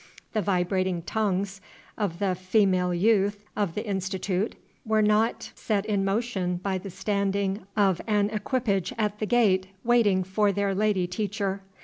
The vibrating tongues of the "female youth" of the Institute were not set in motion by the standing of an equipage at the gate, waiting for their lady teacher.